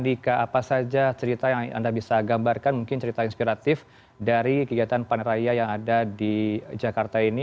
dika apa saja cerita yang anda bisa gambarkan mungkin cerita inspiratif dari kegiatan panen raya yang ada di jakarta ini